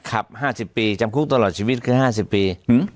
๕๐ปีจำคุกตลอดชีวิตคือ๕๐ปี